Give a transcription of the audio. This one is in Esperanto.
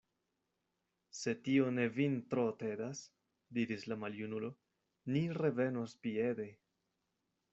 Se tio ne vin tro tedas, diris la maljunulo, ni revenos piede.